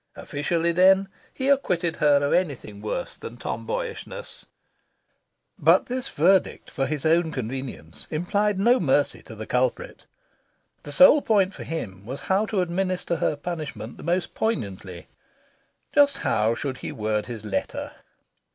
Officially, then, he acquitted her of anything worse than tomboyishness. But this verdict for his own convenience implied no mercy to the culprit. The sole point for him was how to administer her punishment the most poignantly. Just how should he word his letter?